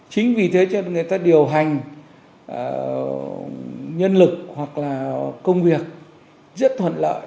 chính vì thế cho nên người ta điều hành nhân lực hoặc là công việc rất thuận lợi